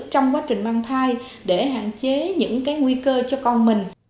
trong quá trình mang thai để hạn chế những cái nguy cơ cho con mình